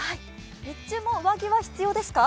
日中も上着は必要ですか？